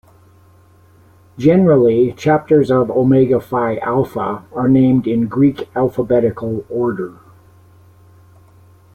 Generally, chapters of Omega Phi Alpha are named in Greek alphabetical order.